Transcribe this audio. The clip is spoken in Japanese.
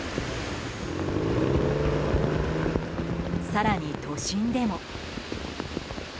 更に都心でも。